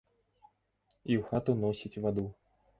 І ў хату носіць ваду.